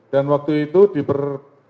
dan waktu itu diper